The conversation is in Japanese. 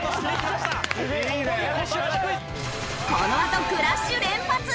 このあとクラッシュ連発！